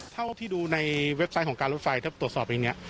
เท่าที่ดูในเว็บไซต์ของการรถไฟถ้าตรวจสอบอย่างนี้